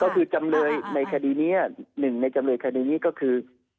ก็คือจำเลยในคดีนี้หนึ่งในจำเลยคดีนี้ก็คือ